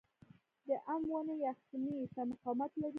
د ام ونې یخنۍ ته مقاومت لري؟